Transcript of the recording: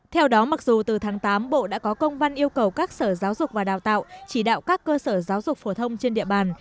theo đó mặc dù từ tháng tám bộ đã có công văn yêu cầu các sở giáo dục và đào tạo chỉ đạo các cơ sở giáo dục phổ thông trên địa bàn